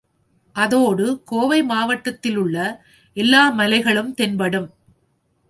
அதோடு கோவை மாவட்டத்திலுள்ள எல்லா மலைகளும் தென்படும்.